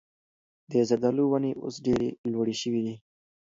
د زردالو ونې اوس ډېرې لوړې شوي دي.